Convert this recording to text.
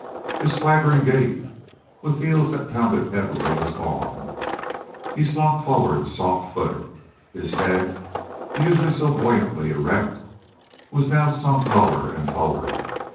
His swaggering gait, with heels that pounded heavily, was gone. He slunk forward, soft footed. His head, usually so buoyantly erect, was now sunk lower and forward.